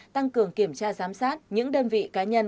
tăng cường kiểm tra giám sát những đơn vị cá nhân